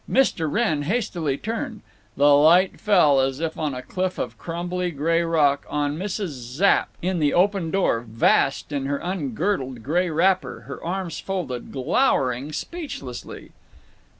Mr. Wrenn hastily turned. The light fell—as on a cliff of crumbly gray rock—on Mrs. Zapp, in the open door, vast in her ungirdled gray wrapper, her arms folded, glowering speechlessly.